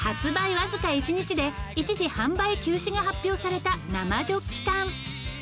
わずか１日で一時販売休止が発表された生ジョッキ缶。